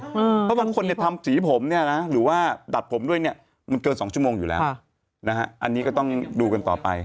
เพราะบางคนเนี่ยทำสีผมเนี่ยนะหรือว่าดัดผมด้วยเนี่ยมันเกิน๒ชั่วโมงอยู่แล้วนะฮะอันนี้ก็ต้องดูกันต่อไป